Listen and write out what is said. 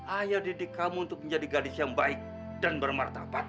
ayah didik kamu untuk menjadi gadis yang baik dan bermartabat